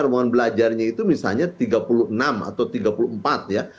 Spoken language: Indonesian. ruangan belajarnya itu misalnya tiga puluh enam atau tiga puluh empat ya